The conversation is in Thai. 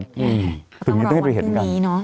ก็ต้องรอวันพรุ่งนี้เนอะ